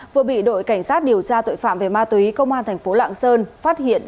vừa bị đội cảnh sát điều tra tội phạm về ma túy công an tp lạng sơn phát hiện